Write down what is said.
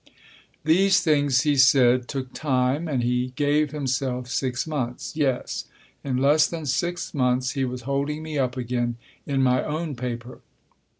These things, he Book I : My Book said, took time, and he gave himself six months. (Yes ; in less than six months he was holding me up, again, in my own paper.